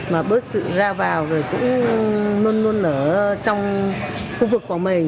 mà bớt sự ra vào rồi cũng luôn luôn ở trong khu vực của mình